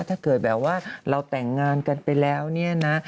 ถ้าเกิดแบบว่าเราแต่งงานกันไปแล้วเนี่ยนะ